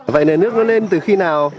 vậy nền nước nó lên từ khi nào